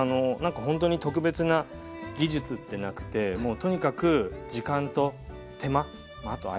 ほんとに特別な技術ってなくてもうとにかく時間と手間あとは愛情ですかね。